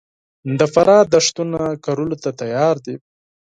د فراه دښتونه کرلو ته تیار دي